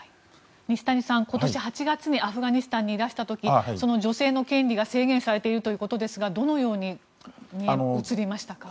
西谷さん、今年８月にアフガニスタンにいらした時にその女性の権利が制限されているということですがどのように映りましたか。